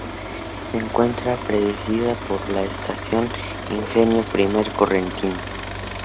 Se encuentra Precedida por la Estación Ingenio Primer Correntino.